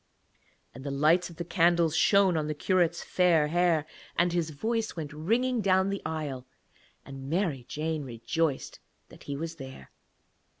And the light of the candles shone on the curate's fair hair, and his voice went ringing down the aisle, and Mary Jane rejoiced that he was there.